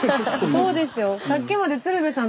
そうですよ。